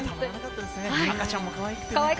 赤ちゃんもかわいくて。